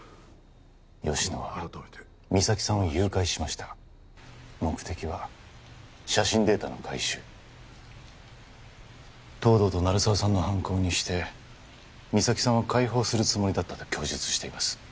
吉乃は実咲さんを誘拐しました目的は写真データの回収東堂と鳴沢さんの犯行にして実咲さんは解放するつもりだったと供述しています